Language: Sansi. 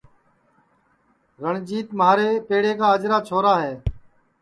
رنجیت مھارے پیڑے کا اجرا چھورا ہے